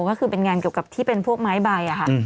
ก็คือเป็นงานเกี่ยวกับที่เป็นพวกไม้ใบค่ะ